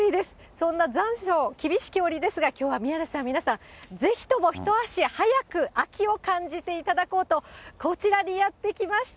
そんな残暑厳しき折ですが、きょうは宮根さん、皆さん、ぜひとも一足早く秋を感じていただこうと、こちらにやって来ました。